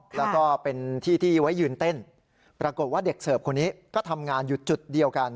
แล้วก็เป็นที่ที่ไว้ยืนเต้นปรากฏว่าเด็กเสิร์ฟคนนี้ก็ทำงานอยู่จุดเดียวกัน